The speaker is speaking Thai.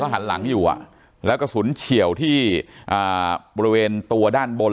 หันหลังอยู่แล้วกระสุนเฉียวที่บริเวณตัวด้านบน